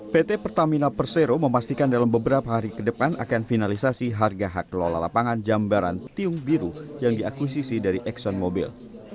pt pertamina persero memastikan dalam beberapa hari ke depan akan finalisasi harga hak lola lapangan jambaran tiung biru yang diakuisisi dari exxon mobil